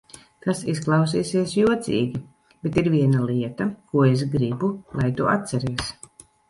Tas izklausīsies jocīgi, bet ir viena lieta, ko es gribu, lai tu atceries.